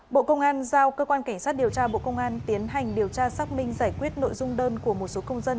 bộ công an giao cơ quan cảnh sát điều tra bộ công an tiến hành điều tra xác minh giải quyết nội dung đơn của một số công dân